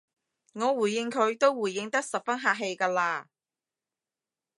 我回應佢都回應得十分客氣㗎喇